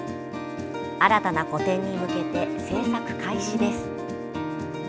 新たな個展に向けて制作開始です。